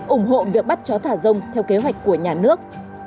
ủng hộ việc bắt chó thả rông theo kế hoạch của nhà nước